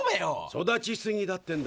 育ちすぎだってんだよ。